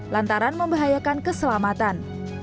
lantaran membahayakan keselamatan